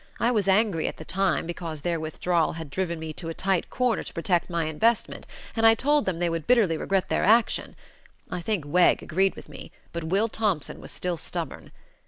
I was angry at the time, because their withdrawal had driven me into a tight corner to protect my investment, and I told them they would bitterly regret their action. I think Wegg agreed with me, but Will Thompson was still stubborn.